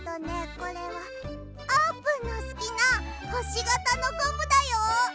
これはあーぷんのすきなほしがたのゴムだよ！